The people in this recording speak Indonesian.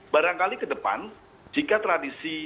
barangkali ke depan jika tradisi